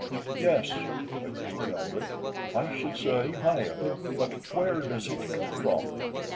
"Yes," agreed Bradley, "I should say higher; but where does it come from?"